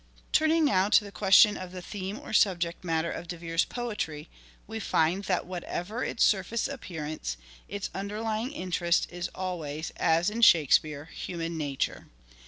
Turning now to the question of the theme or subject Central matter of De Vere's poetry, we find that whatever its surface appearance, its underlying interest is always, as in Shakespeare, human nature.